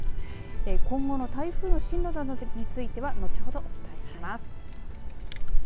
今後の台風の進路などについては後ほど、お伝えします。